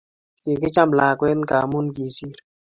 Kikicham lakwet ngamun kisir